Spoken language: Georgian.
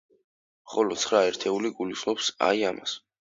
ხოლო, ცხრა ერთეული გულისხმობს, აი, ამას.